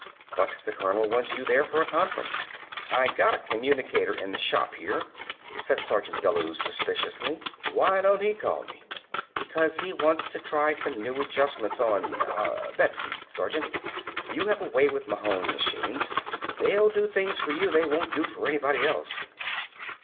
"But the Colonel wants you there for a conference." "I got a communicator in the shop here," said Sergeant Bellews suspiciously. "Why don't he call me?" "Because he wants to try some new adjustments on ah Betsy, Sergeant. You have a way with Mahon machines. They'll do things for you they won't do for anybody else."